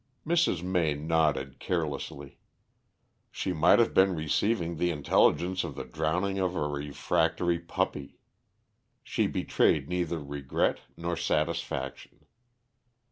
Mrs. May nodded carelessly. She might have been receiving the intelligence of the drowning of a refractory puppy. She betrayed neither regret nor satisfaction.